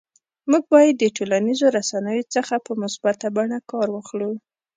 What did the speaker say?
موږ باید د ټولنیزو رسنیو څخه په مثبته بڼه کار واخلو